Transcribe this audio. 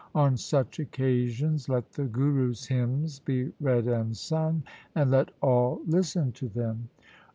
On such occasions let the Gurus' hymns be read and sung, and let all listen to them.